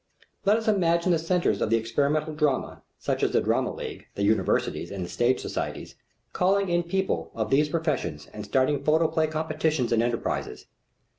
Let us imagine the centres of the experimental drama, such as the Drama League, the Universities, and the stage societies, calling in people of these professions and starting photoplay competitions and enterprises.